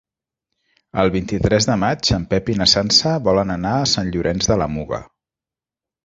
El vint-i-tres de maig en Pep i na Sança volen anar a Sant Llorenç de la Muga.